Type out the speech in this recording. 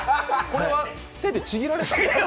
これは手でちぎられた？